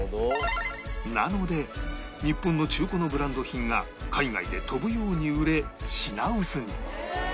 なので日本の中古のブランド品が海外で飛ぶように売れ品薄に